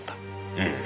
ええ。